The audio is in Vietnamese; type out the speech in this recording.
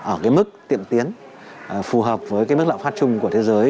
ở cái mức tiện tiến phù hợp với cái mức lợi pháp chung của thế giới